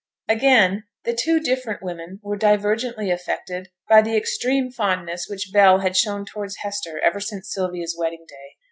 Again, the two different women were divergently affected by the extreme fondness which Bell had shown towards Hester ever since Sylvia's wedding day.